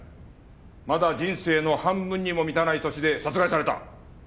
まだ人生の半分にも満たない年で殺害された。